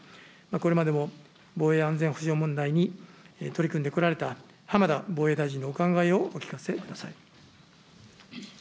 これまでも防衛安全保障問題に取り組んでこられた浜田防衛大臣のお考えをお聞かせください。